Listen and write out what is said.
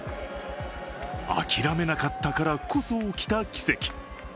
諦めなかったからこそ起きた奇跡。